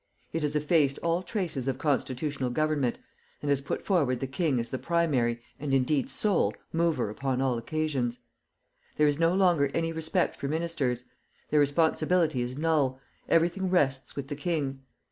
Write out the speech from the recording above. It has effaced all traces of constitutional government, and has put forward the king as the primary, and indeed sole, mover upon all occasions. There is no longer any respect for ministers; their responsibility is null, everything rests with the king.